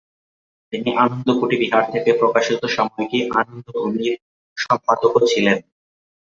তিনি আনন্দ কুটি বিহার থেকে প্রকাশিত সাময়িকী "আনন্দভূমি"র সম্পাদকও ছিলেন।